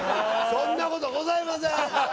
そんなことございません